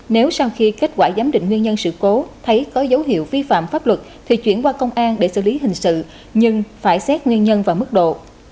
nếu sau khi kết quả giám định nguyên nhân sự cố thấy có dấu hiệu vi phạm pháp luật thì chuyển qua công an để xử lý hình sự nhưng phải xét nguyên nhân và mức độ